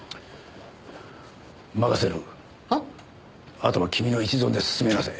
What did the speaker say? あとは君の一存で進めなさい。